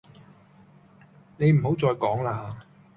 你唔好再講啦